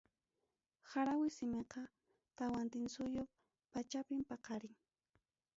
Harawi simiqa Tawantinsuyu pachapim paqarin.